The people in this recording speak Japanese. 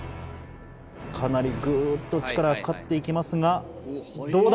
かなりグっと力がかかって行きますがどうだ？